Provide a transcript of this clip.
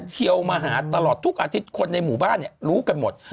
เที่ยวมาหาตลอดทุกอาทิตย์คนในหมู่บ้านรู้กันหมด